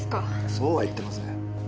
そうは言ってません。